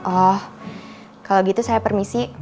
oh kalau gitu saya permisi